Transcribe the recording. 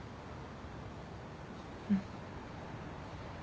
うん。